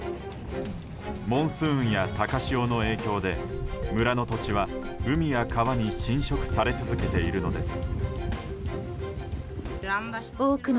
モンスーンや高潮の影響で村の土地は海や川に浸食され続けているのです。